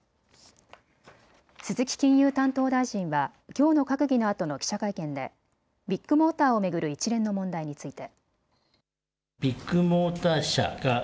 鈴木金融担当大臣はきょうの閣議のあとの記者会見でビッグモーターを巡る一連の問題について。